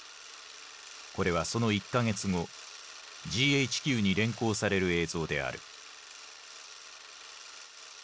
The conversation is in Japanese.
これはその１か月後ＧＨＱに連行される映像である。